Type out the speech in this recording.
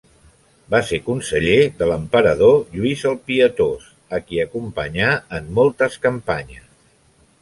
Va ser conseller de l'emperador Lluís el Pietós, a qui acompanyà en moltes campanyes.